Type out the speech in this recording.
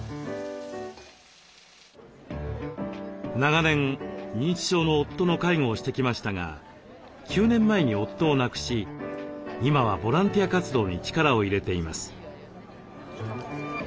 長年認知症の夫の介護をしてきましたが９年前に夫を亡くし今はボランティア活動に力を入れています。